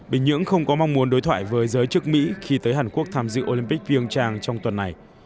bình nhưỡng không có mong muốn đối thoại với giới chức mỹ khi tới hàn quốc tham dự olympic viêng trang trong tuần này